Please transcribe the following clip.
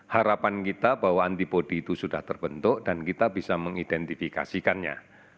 harapan kita bahwa antibody itu sudah terbentuk dan kita bisa mengidentifikasikannya